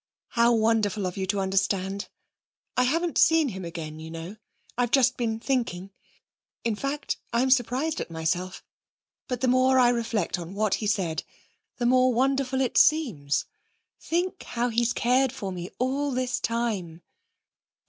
'How wonderful of you to understand! I haven't seen him again, you know. I've just been thinking. In fact, I'm surprised at myself. But the more I reflect on what he said, the more wonderful it seems.... Think how he's cared for me all this time!'